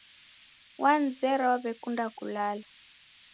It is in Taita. Wanizera waw'ekunda kulala.